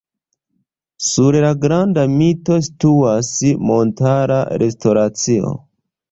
Sur la Granda Mito situas montara restoracio.